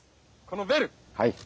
このベル。